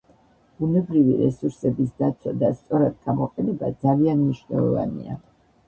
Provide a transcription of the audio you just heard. ბუნებრივი რესურსების დაცვა და სწორად გამოყენება ძალიან მნიშვნელოვანია.